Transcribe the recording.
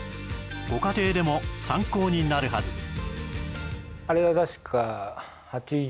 ご家庭でも参考になるはず